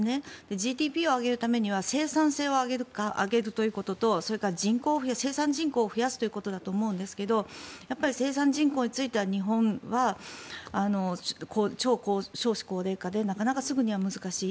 ＧＤＰを上げるためには生産性を上げるということとそれから生産人口を増やすということだと思うんですが生産人口については日本は超少子高齢化でなかなかすぐには難しい。